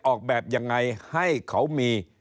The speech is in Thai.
ออกแบบยังไงให้เขามี